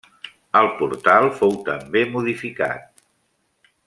El portal fou també modificat.